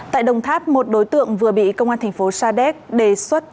tại đồng tháp một đối tượng vừa bị công an thành phố sa đéc đề xuất